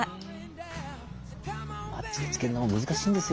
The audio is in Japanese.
マッチでつけんのも難しいんですよ。